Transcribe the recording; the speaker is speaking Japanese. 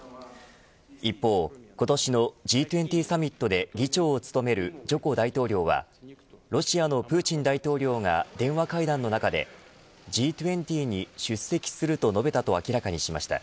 一方、今年のＧ２０サミットで議長を務めるジョコ大統領はロシアのプーチン大統領が電話会談の中でＧ２０に出席すると述べたと明らかにしました。